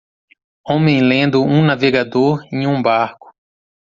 homem lendo um navegador em um barco.